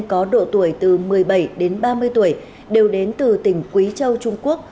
công an tỉnh cao bằng có độ tuổi từ một mươi bảy đến ba mươi tuổi đều đến từ tỉnh quý châu trung quốc